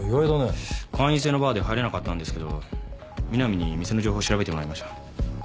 会員制のバーで入れなかったんですけど南に店の情報調べてもらいました。